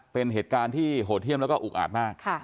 เป็นเหตุการณ์ที่โหดเยี่ยมแล้วก็อุกอาจมาก